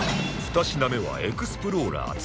２品目はエクスプローラー Ⅱ